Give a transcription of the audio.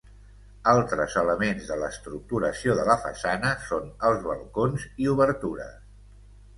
Altres elements de l'estructuració de la façana són els balcons i obertures.